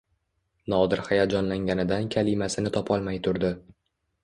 Nodir hayajonlanganidan kalimasini topolmay turdi: